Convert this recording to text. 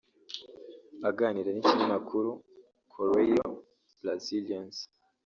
Aganira n’ikinyamakuru Correio Braziliense